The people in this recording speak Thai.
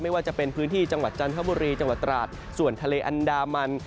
ว่าจะเป็นพื้นที่จังหวัดจันทบุรีจังหวัดตราดส่วนทะเลอันดามัน